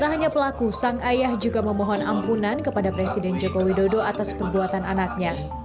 tak hanya pelaku sang ayah juga memohon ampunan kepada presiden joko widodo atas perbuatan anaknya